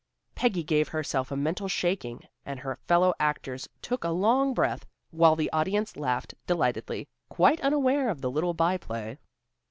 Peggy gave herself a mental shaking and her fellow actors took a long breath, while the audience laughed delightedly, quite unaware of the little by play.